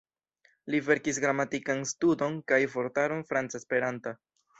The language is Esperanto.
Li verkis gramatikan studon kaj vortaron franca-esperanta.